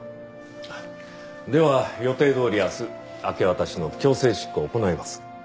では予定どおり明日明け渡しの強制執行を行います。